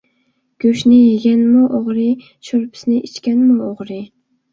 گۆشنى يىگەنمۇ ئوغرى، شورپىسىنى ئىچكەنمۇ ئوغرى.